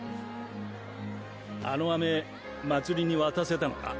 あのまつりに渡せたのか？